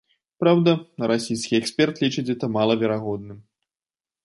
Праўда, расійскі эксперт лічыць гэта малаверагодным.